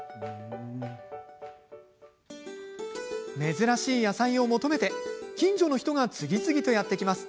珍しい野菜を求めて近所の人が次々とやって来ます。